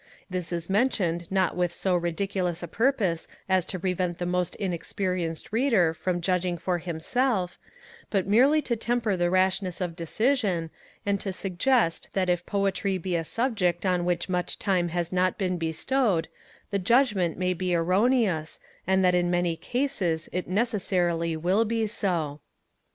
This is mentioned not with so ridiculous a purpose as to prevent the most inexperienced reader from judging for himself; but merely to temper the rashness of decision, and to suggest that if poetry be a subject on which much time has not been bestowed, the judgement may be erroneous, and that in many cases it necessarily will be so.